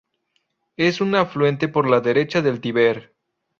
Es un afluente por la derecha del Tíber.